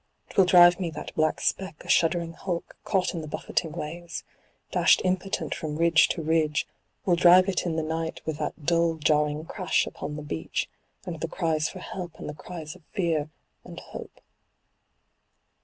Twill drive me that black speck a shuddering hulk caught in the buffeting waves, dashed impotent from ridge to ridge, will drive it in the night CIRCE, with that dull jarring crash upon the beach, and the cries for help and the cries of fear and hope.